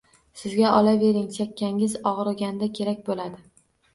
Sizga, olavering. Chakkangiz ogʻriganda kerak boʻladi.